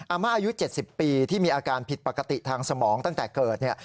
มาอายุ๗๐ปีที่มีอาการผิดปกติทางสมองตั้งแต่เกิดเนี่ย